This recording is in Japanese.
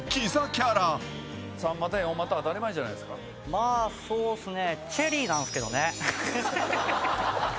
まぁそうっすね。